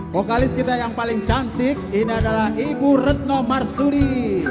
vokalis kita yang paling cantik ini adalah ibu retno marsuli